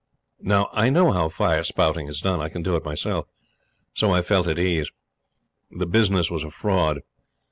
Now, I knew how fire spouting is done I can do it myself so I felt at ease. The business was a fraud.